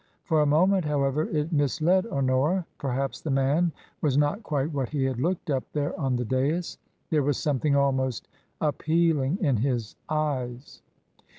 For a moment, however, it misled Honora; perhaps the man was not quite what he had looked up there on the dais ; there was something almost appealing in his eyes.